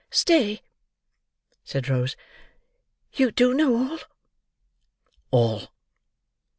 "Stay," said Rose. "You do know all." "All.